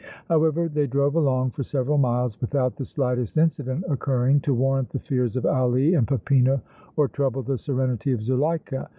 However, they drove along for several miles without the slightest incident occurring to warrant the fears of Ali and Peppino or trouble the serenity of Zuleika.